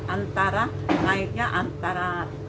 antara naiknya antara